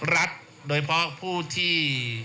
รัฐโดยเฉพาะผู้ที่